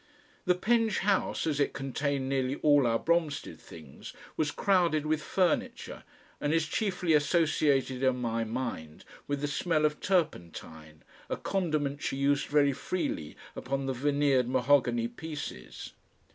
The Penge house, as it contained nearly all our Bromstead things, was crowded with furniture, and is chiefly associated in my mind with the smell of turpentine, a condiment she used very freely upon the veneered mahogany pieces.